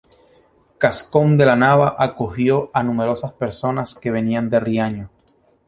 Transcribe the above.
Cascón de la Nava acogió a numerosas personas que venían de Riaño.